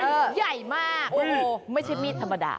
ใหญ่มากโอ้โหไม่ใช่มีดธรรมดา